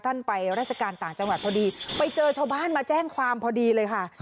ไปราชการต่างจังหวัดพอดีไปเจอชาวบ้านมาแจ้งความพอดีเลยค่ะ